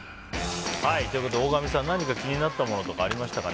大神さん、何か気になったものとかありましたかね。